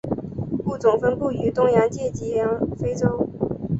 物种分布于东洋界及非洲。